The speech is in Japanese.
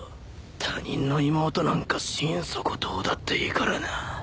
他人の妹なんか心底どうだっていいからなぁ。